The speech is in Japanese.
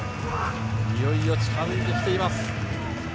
いよいよ近づいてきています。